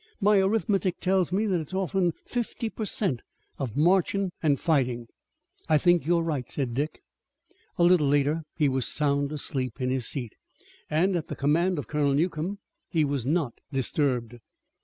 My arithmetic tells me that it is often fifty per cent of marching and fighting." "I think you are right," said Dick. A little later he was sound asleep in his seat, and at the command of Colonel Newcomb he was not disturbed.